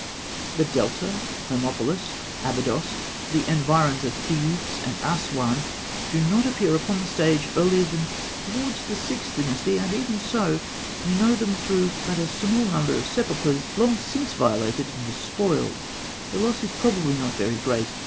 The Delta, Hermopolis, Abydos, the environs of Thebes and Asûan, do not appear upon the stage earlier than towards the Sixth Dynasty; and even so, we know them through but a small number of sepulchres long since violated and despoiled. The loss is probably not very great.